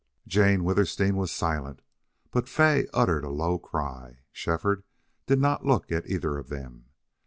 Jane Withersteen was silent, but Fay uttered a low cry. Shefford did not look at either of them.